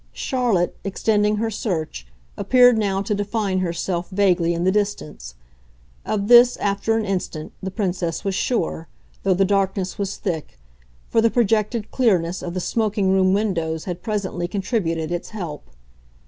Charlotte, extending her search, appeared now to define herself vaguely in the distance; of this, after an instant, the Princess was sure, though the darkness was thick, for the projected clearness of the smoking room windows had presently contributed its help.